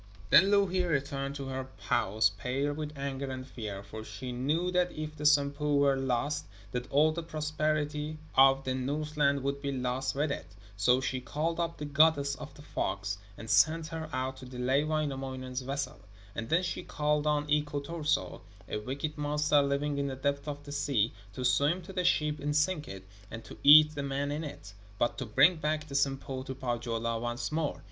Then Louhi returned to her house pale with anger and fear, for she knew that if the Sampo were lost that all the prosperity of the Northland would be lost with it. So she called up the goddess of the fogs, and sent her out to delay Wainamoinen's vessel. And then she called on Iko Turso a wicked monster living in the depths of the sea to swim to the ship and sink it, and to eat the men in it, but to bring back the Sampo to Pohjola once more.